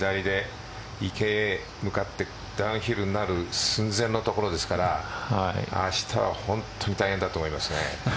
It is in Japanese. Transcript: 池に向かってダウンヒルになる寸前の所ですから明日は本当に大変だと思います。